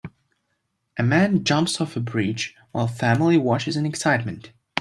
A man jumps off a bridge while family watches in excitement